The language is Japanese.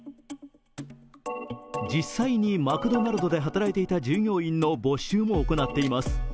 実際に、マクドナルドで働いていた従業員の募集も行っています。